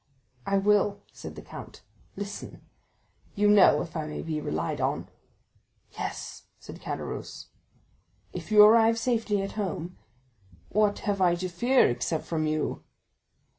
"I will," said the count. "Listen—you know if I may be relied on." "Yes," said Caderousse. "If you arrive safely at home——" "What have I to fear, except from you?"